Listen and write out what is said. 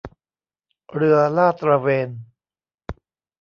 เรือลาดตระเวน